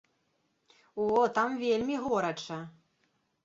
О, там вельмі горача!